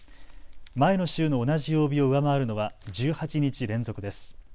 前の週の同じ曜日を上回るのは１８日連続です。